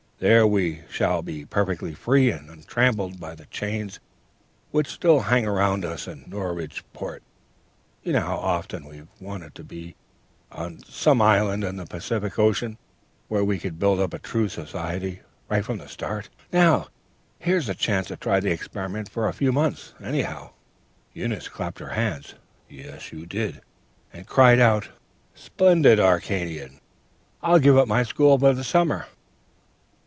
There we shall be perfectly free and untrammelled by the chains which still hang around us in Norridgeport. You know how often we have wanted to be set on some island in the Pacific Ocean, where we could build up a true society, right from the start. Now, here's a chance to try the experiment for a few months, anyhow.' "Eunice clapped her hands (yes, you did!) and cried out, "'Splendid! Arcadian! I'll give up my school for the summer.'